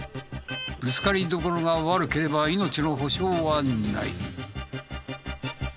ぶつかりどころが悪ければ命の保証はない。